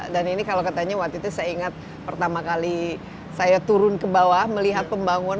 ini kalau katanya waktu itu saya ingat pertama kali saya turun ke bawah melihat pembangunan